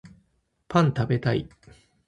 パン食べたい